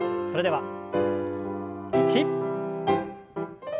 それでは１。